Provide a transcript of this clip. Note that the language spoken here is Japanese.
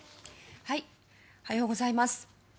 おはようございます。